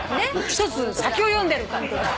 一つ先を読んでるから。